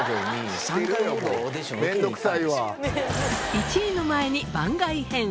１位の前に番外編